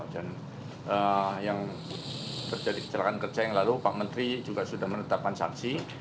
dan yang terjadi kecelakaan kerja yang lalu pak menteri juga sudah menetapkan sanksi